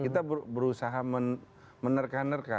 kita berusaha menerka nerkan